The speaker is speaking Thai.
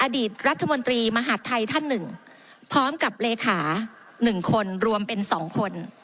อดีตรัฐมนตรีมหาดไทยท่านหนึ่งพร้อมกับเลขา๑คนรวมเป็น๒คน